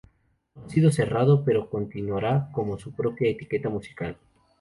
No ha sido cerrado, pero continuará como su propia etiqueta musical.